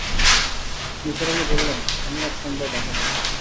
নিসার আলি বললেন, আমি আজ সন্ধ্যায় ঢাকা যাব।